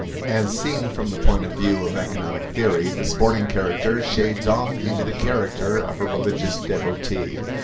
As seen from the point of view of economic theory, the sporting character shades off into the character of a religious devotee.